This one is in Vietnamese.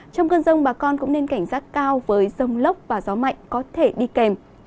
trong cơn rông bà con cũng nên cảnh giác cao với rông lốc và gió mạnh có thể đi kèm